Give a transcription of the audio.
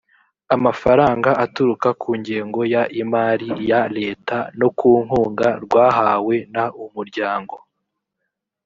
amafaranga aturuka ku ngengo y imari ya leta no ku nkunga rwahawe n umuryango